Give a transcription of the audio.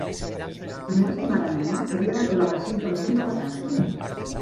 La meva estimada nena havia d'arribar a les cinc en punt de la tarda.